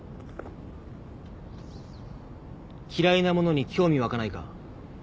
嫌いなものに興味湧かないか？